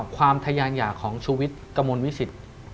ความทะยานหย่าของชุวิตกระมวลวิสิต